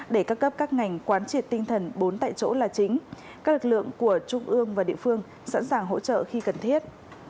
để các cấp các ngành quán triệt tinh thần bốn tại chỗ là chính các lực lượng của trung ương và địa phương sẵn sàng hỗ trợ khi cần thiết